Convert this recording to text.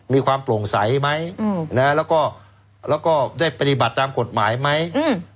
มีความโปร่งใสไหมอืมนะแล้วก็ได้ปฏิบัติตามกฎหมายไหมอืม